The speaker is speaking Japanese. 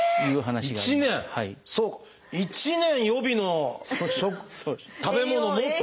１年予備の食べ物を持って。